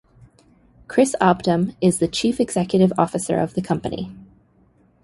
Chris Obdam is the chief executive officer of the company.